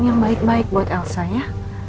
yang baik baik buat elsa ya